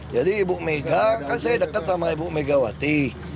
jadi ibu mega kan saya dekat sama ibu megawati